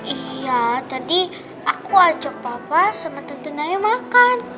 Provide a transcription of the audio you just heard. iya tadi aku ajak papa sama tentu naya makan